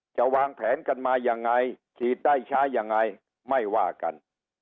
จะวางแผนกันมายังไงฉีดได้ช้ายังไงไม่ว่ากัน